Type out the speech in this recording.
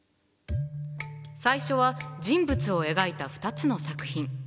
最初は人物を描いた２つの作品。